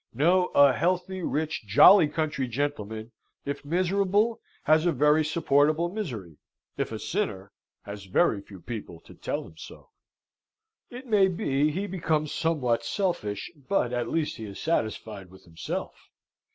No: a healthy, rich, jolly, country gentleman, if miserable, has a very supportable misery: if a sinner, has very few people to tell him so. It may be he becomes somewhat selfish; but at least he is satisfied with himself.